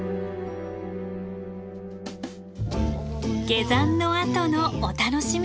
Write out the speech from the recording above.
下山のあとのお楽しみ。